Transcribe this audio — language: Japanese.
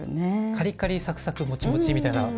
カリカリサクサクモチモチみたいな。